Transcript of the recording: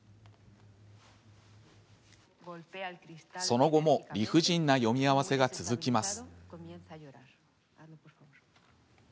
その後も理不尽な読み合わせが続きます。